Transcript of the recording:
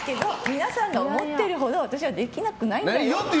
皆さんが思ってるほど私はできなくないんだよっていう。